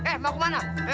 eh mau kemana